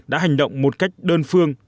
đã hành động một cách đơn phương